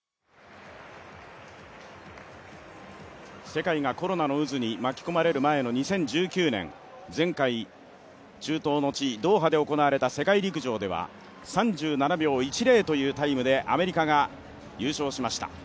世界がコロナの渦に巻き込まれる前の２０１９年、前回、中東の地、ドーハで行われた世界陸上では３７秒１０というタイムでアメリカが優勝しました。